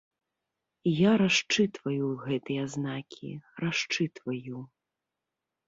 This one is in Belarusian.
Я расчытваю гэтыя знакі, расчытваю.